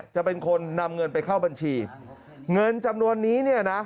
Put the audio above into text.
จะเป็นคนนำเงินไปเข้าบัญชีเงินจำนวนนี้เนี่ยนะ